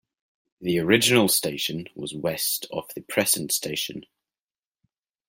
The original station was west of the present station.